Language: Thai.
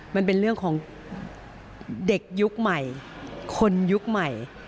มันเป็นเรื่องของเด็กยุคใหม่คนยุคใหม่